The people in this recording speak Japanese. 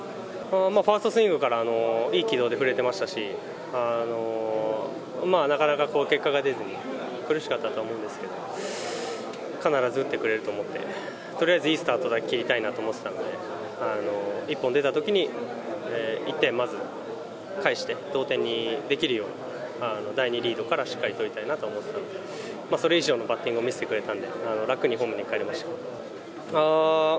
ファーストスイングからいい軌道で振れてましたし、なかなか結果が出ずに苦しかったとは思うんですけど、必ず打ってくれると思って、とりあえずいいスタートだけ切りたいなと思ってたので、一本出たときに１点まず返して、同点にできるように、第２リードからしっかりふりたいなと思ってたので、それ以上のバッティングを見せてくれたんで、楽にホームにかえることができました。